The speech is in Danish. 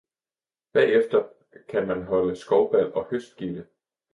bagefter kan man holde skovbal og høstgilde!